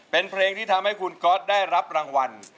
เป็นเพลงที่ทำให้คุณก๊อตได้รับรางวัล